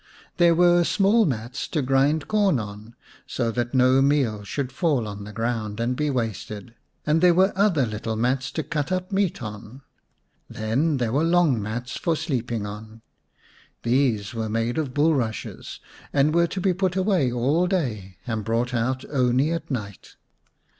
There were small mats to grind corn on, so that no meal should fall on the ground and be wasted, and there were other little mats to cut up meat on. Then there were long mats for sleeping on ; these were made of bulrushes, and were to be put away all day and brought out only at night.